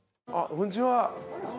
こんにちは。